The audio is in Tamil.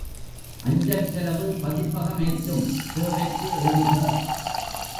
அஞ்சல் செலவு பதிப்பகம் ஏற்கும் தேவைக்கு எழுதுக.